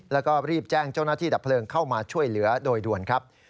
แล้วก็รีบแจ้งเจ้าหน้าที่ดับเพลิงเข้ามาช่วยเหลือโดยด่วนครับ